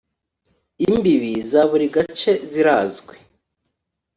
imbibi za buri gace zirazwi